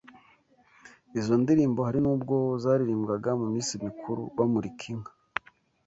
Izo ndirimbo hari n’ubwo zaririmbwaga mu minsi mikuru, bamurika inka